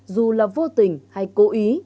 dù là vô tình hay cố ý